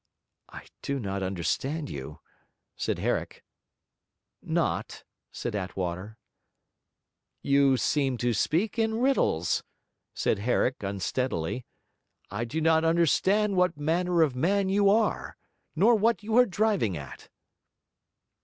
'I do not understand you,' said Herrick. 'Not?' said Attwater. 'You seem to speak in riddles,' said Herrick, unsteadily. 'I do not understand what manner of man you are, nor what you are driving at.'